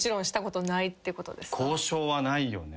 交渉はないよね。